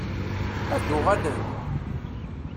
Ad d-uɣalen?